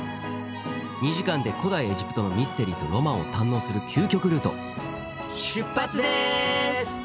２時間で古代エジプトのミステリーとロマンを堪能する出発でーす！